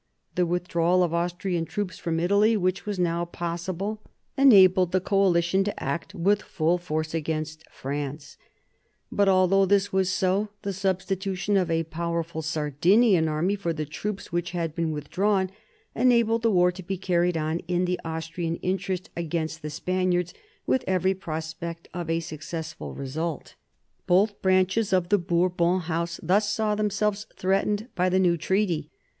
The withdrawal of Austrian troops from Italy which was now possible enabled the coalition to act with full force against France. But though this was so, the sub stitution of a powerful Sardinian army for the troops which had been withdrawn enabled the war to be carried on in the Austrian interest against the Spaniards with every prospect of a successful result Both branches of the Bourbon House thus saw themselves threatened by the new treaty.